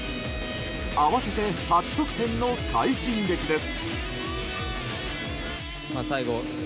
合わせて８得点の快進撃です。